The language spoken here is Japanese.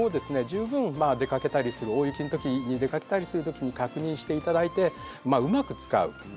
十分出かけたりする大雪の時に出かけたりする時に確認していただいてまあうまく使うということ。